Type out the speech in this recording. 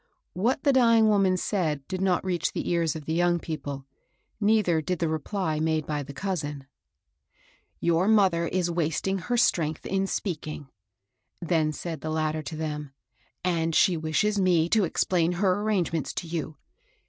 What the dying woman said did not reach the ears of the young people ; neither did the reply made by the cousin. Your mother is wasting her strength in speaking," then said the latter to them; ^'and she wishes me to explain her arrangements to you.